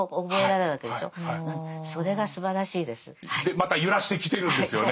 また揺らしてきてるんですよね。